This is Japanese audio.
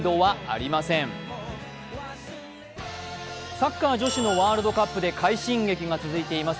サッカー女子のワールドカップで快進撃が続いています